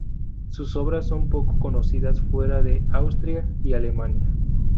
Sus obras son poco conocidas fuera de Austria y Alemania.